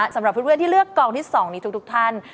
สำหรับเพื่อนที่เลือกกองที่๒นี้ทุกท่าน